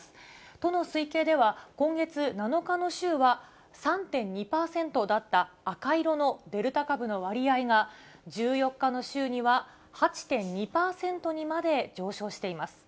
都の推計では、今月７日の週は３．２％だった赤色のデルタ株の割合が、１４日の週には、８．２％にまで上昇しています。